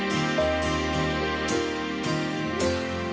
ยิดเวลา